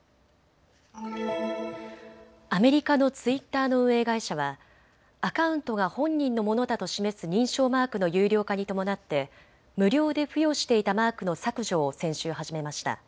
アメリカのツイッターの運営会社はアカウントが本人のものだと示す認証マークの有料化に伴って無料で付与していたマークの削除を先週始めました。